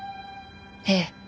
ええ。